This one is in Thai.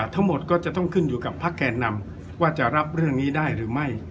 ทั้งหมดก็จะต้องขึ้นอยู่กับพักแก่นำว่าจะรับเรื่องนี้ได้หรือไม่